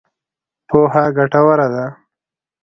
پوهه ګټوره ده.